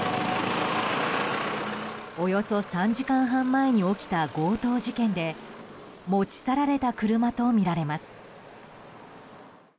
およそ３時間半前に起きた強盗事件で持ち去られた車とみられます。